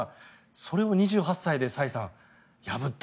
それを２８歳で破った。